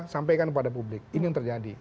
sampaikan kepada publik ini yang terjadi